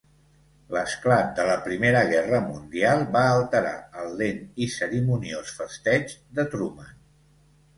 L'esclat de la Primera Guerra Mundial va alterar el lent i cerimoniós festeig de Truman.